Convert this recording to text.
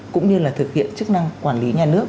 cũng như là thực hiện chức năng quản lý nhà nước